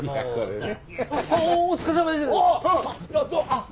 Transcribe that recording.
あっ。